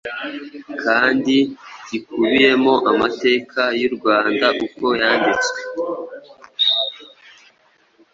kandi gikubiyemo amateka y’u Rwanda uko yanditswe